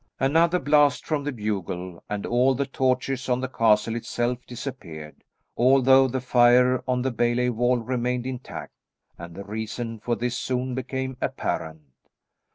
Another blast from the bugle and all the torches on the castle itself disappeared, although the fire on the bailey wall remained intact, and the reason for this soon became apparent.